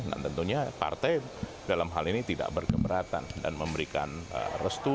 dan tentunya partai dalam hal ini tidak berkeberatan dan memberikan restu